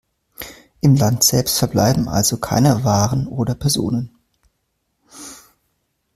Im Land selbst verbleiben also keine Waren oder Personen.